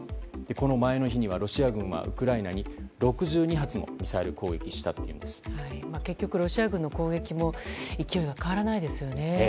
この前の日にはロシア軍がウクライナに６２発の結局、ロシア軍の攻撃も勢いが変わらないですよね。